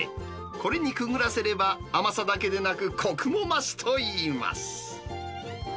これにくぐらせれば、甘さだけでなくこくも増すといいます。